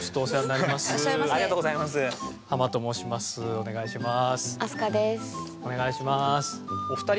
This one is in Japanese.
お願いします。